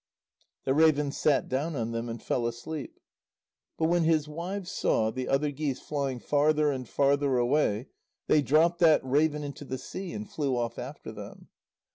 The raven sat down on them and fell asleep. But when his wives saw the other geese flying farther and farther away, they dropped that raven into the sea and flew off after them.